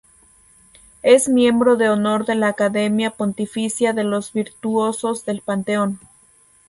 Es miembro de honor de la Academia Pontificia de los Virtuosos del Panteón.